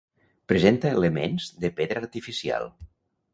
Presenta elements de pedra artificial.